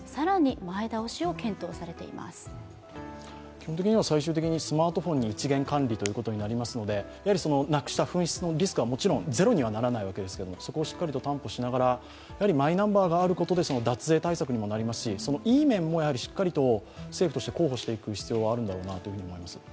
基本的には最終的にスマートフォンに一元管理になりますけれどもなくした、紛失のリスクはゼロにはならないわけですけどそこをしっかりと担保しながら、マイナンバーがあることで脱税対策にもなりますし、いい面もしっかり政府として広報していく必要があると思います。